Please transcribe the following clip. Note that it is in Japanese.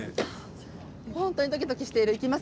本当にドキドキしている。